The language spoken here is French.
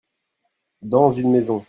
Dans une maison.